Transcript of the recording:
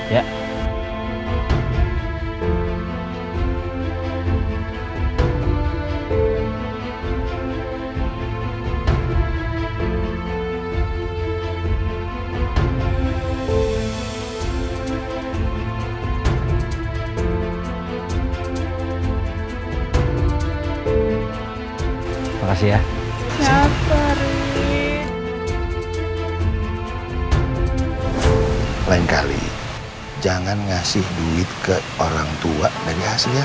makasih ya siap hari lain kali jangan ngasih duit ke orang tua dari hasilnya